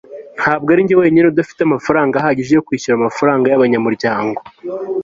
ntabwo arinjye wenyine udafite amafaranga ahagije yo kwishyura amafaranga yabanyamuryango